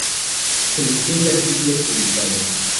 Selección de artículos publicados